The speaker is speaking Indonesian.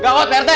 gawat pak rete